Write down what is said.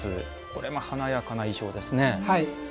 これも華やかな衣装ですね。